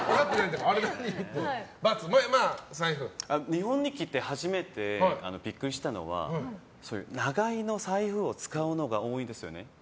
日本に来て、初めてビックリしたのは長い財布を使うのが多いですよね。